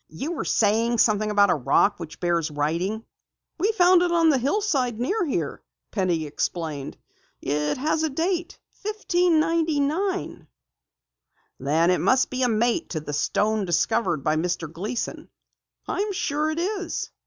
"You were saying something about a rock which bears writing?" "We found it on the hillside near here," Penny explained. "It has a date 1599." "Then it must be a mate to the stone discovered by Mr. Gleason!" "I'm sure it is."